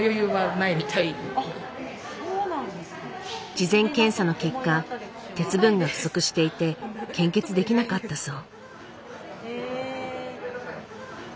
事前検査の結果鉄分が不足していて献血できなかったそう。